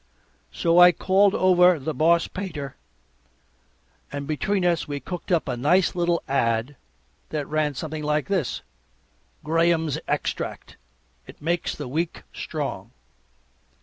So I called over the boss painter and between us we cooked up a nice little ad that ran something like this: Graham's Extract: It Makes the Weak Strong.